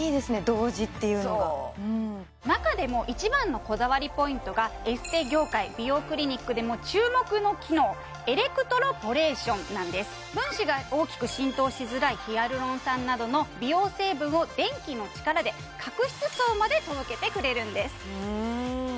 同時っていうのがそう中でも一番のこだわりポイントがエステ業界美容クリニックでも注目の機能分子が大きく浸透しづらいヒアルロン酸などの美容成分を電気の力で角質層まで届けてくれるんです